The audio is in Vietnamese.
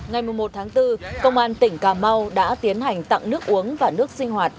ngày một mươi một tháng bốn công an tỉnh cà mau đã tiến hành tặng nước uống và nước sinh hoạt